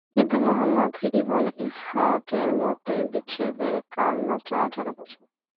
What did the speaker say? কিন্তু Muhammad ibn ইসহাকের মতে, বিচ্ছেদের কাল মাত্র আঠার বছর।